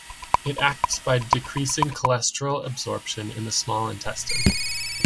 It acts by decreasing cholesterol absorption in the small intestine.